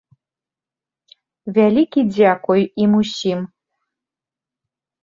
Вялікі дзякуй ім усім.